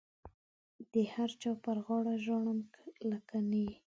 د هر چا پر غاړه ژاړم لکه نی.